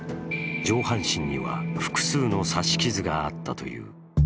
上半身には複数の刺し傷があっという。